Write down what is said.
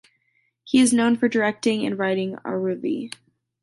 He is known for directing and writing "Aruvi".